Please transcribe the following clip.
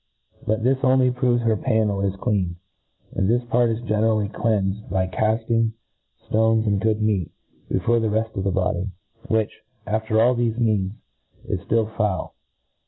But this only proves her pannel is? clean; ztkd this part is generally clcatifed bjr cafting, (lones, and good meat, befot c* the reft of the body, which^ after all thefe iheansi 19 ftill foul.